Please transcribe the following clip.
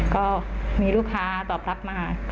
ก็มีลูกค้าตอบรับมา